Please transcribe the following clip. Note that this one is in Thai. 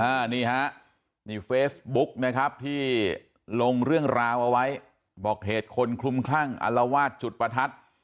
อันนี้ฮะนี่เฟซบุ๊กนะครับที่ลงเรื่องราวเอาไว้บอกเหตุคนคลุมคลั่งอลวาดจุดประทัด